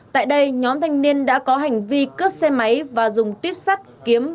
tại đây nhóm thanh niên đã có hành vi cướp xe máy và dùng tiếp sát kiếm